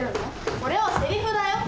これはセリフだよ。